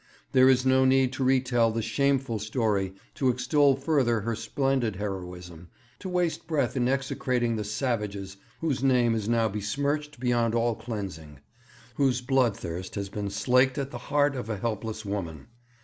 There is no need to retell the shameful story, to extol further her splendid heroism, to waste breath in execrating the savages whose name is now besmirched beyond all cleansing; whose blood thirst has been slaked at the heart of a helpless woman.